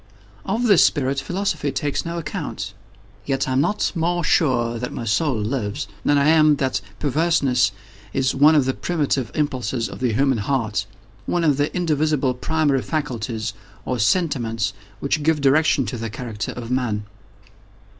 Of this spirit philosophy takes no account. Yet I am not more sure that my soul lives, than I am that perverseness is one of the primitive impulses of the human heart—one of the indivisible primary faculties, or sentiments, which give direction to the character of Man.